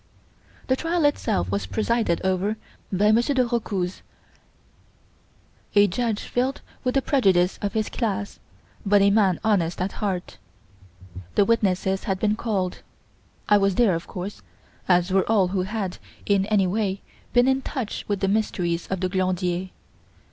The trial itself was presided over by Monsieur de Rocouz, a judge filled with the prejudice of his class, but a man honest at heart. The witnesses had been called. I was there, of course, as were all who had, in any way, been in touch with the mysteries of the Glandier.